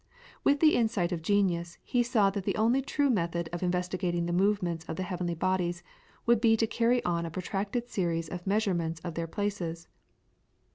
With the insight of genius he saw that the only true method of investigating the movements of the heavenly bodies would be to carry on a protracted series of measurements of their places.